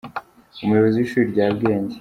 Umuyobozi w’ishuri rya bwenge.